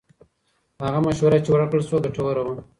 هغه مشوره چې ورکړل شوه، ګټوره وه.